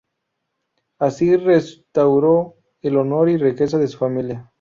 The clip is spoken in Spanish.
Así restauró el honor y riqueza de su familia.